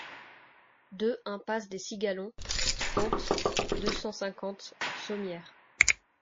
deux impasse des Cigalons, trente, deux cent cinquante, Sommières